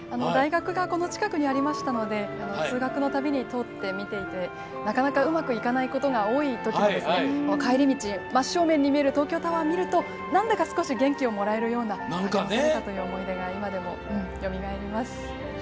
大学がこの近くにありましたので通学のたびに通って見ていてなかなかうまくいかないことが多いときもあるんですけど帰り道、真正面に見える東京タワーを見るとなんだか少し元気をもらえるという思い出が今でもよみがえります。